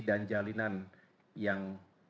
dan jalinan yang